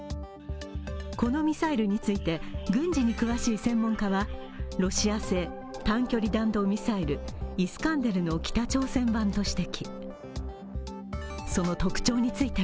このミサイルについて、軍事に詳しい専門家はロシア製短距離弾道ミサイル、イスカンデルの北朝鮮版と指摘。